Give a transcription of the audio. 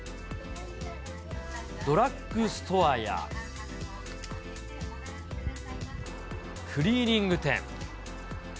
ドラッグストアやクリーニング店。